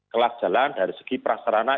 kelas jalan dari segi prasarana